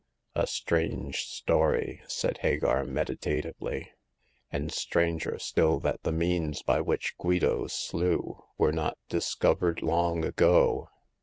A strange story," said Hagar, meditatively, "and stranger still that the means by which Guido slew were not discovered long ago."